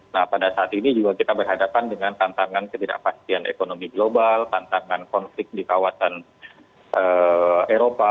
nah pada saat ini juga kita berhadapan dengan tantangan ketidakpastian ekonomi global tantangan konflik di kawasan eropa